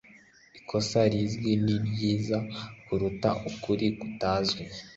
Ikosa rizwi ni ryiza kuruta ukuri kutazwi.